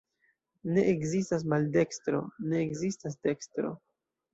Ne ekzistas maldekstro, ne ekzistas dekstro.